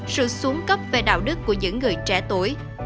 sự xuống cấp về đạo đức của những người trẻ tuổi